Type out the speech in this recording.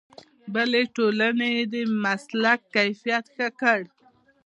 بلې ټولنې د مسلک کیفیت ښه کړ.